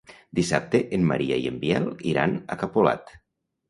Dissabte en Maria i en Biel iran a Capolat.